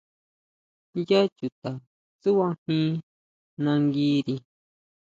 ¿ʼYá chuta tsuʼbajín nanguiri?